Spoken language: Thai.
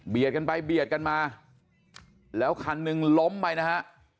กันไปเบียดกันมาแล้วคันหนึ่งล้มไปนะฮะ